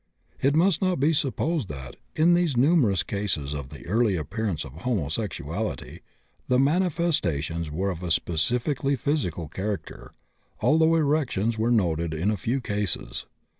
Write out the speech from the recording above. It must not be supposed that, in these numerous cases of the early appearance of homosexuality, the manifestations were of a specifically physical character, although erections are noted in a few cases.